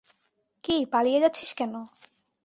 কি, পালিয়ে যাচ্ছিস কেন?